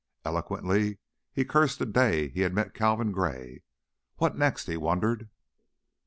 Eloquently he cursed the day he had met Calvin Gray. What next, he wondered.